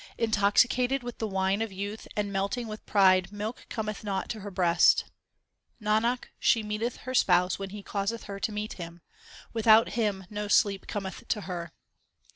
Intoxicated with the wine of youth and melting with pride milk cometh not to her breast. Nanak, she meeteth her Spouse when He causeth her to meet Him ; without Him no sleep cometh to her.